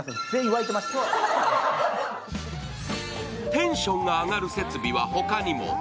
テンションが上がる設備は他にも。